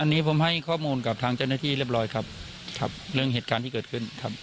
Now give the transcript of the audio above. อันนี้ผมให้ข้อมูลกับทางเจ้าหน้าที่เรียบร้อยครับครับเรื่องเหตุการณ์ที่เกิดขึ้นครับ